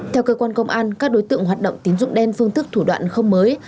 theo cơ quan công an các đối tượng hoạt động tín dụng đen phương thức thủ đoạn không mới